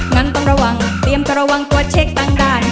งั้นต้องระวังเตรียมจะระวังตัวเช็คต่างด้าน